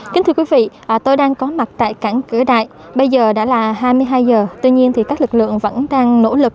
kính thưa quý vị tôi đang có mặt tại cảng cửa đại bây giờ đã là hai mươi hai giờ tuy nhiên thì các lực lượng vẫn đang nỗ lực